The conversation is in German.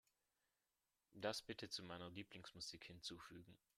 Das bitte zu meiner Lieblingsmusik hinzufügen.